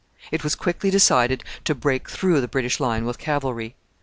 It was quickly decided to break through the British line with cavalry.